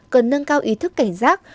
cần nâng cao ý thức cảnh giác